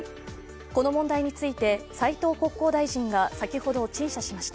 この問題について、斉藤国交大臣が先ほど、陳謝しました。